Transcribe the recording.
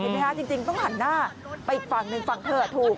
จริงต้องหันหน้าไปอีกฝั่งหนึ่งฝั่งเธอถูก